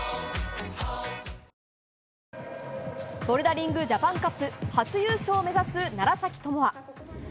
ボルダリングジャパンカップ初優勝を目指す、楢崎智亜。